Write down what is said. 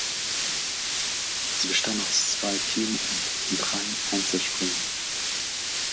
Sie bestand aus zwei Team- und drei Einzelspringen.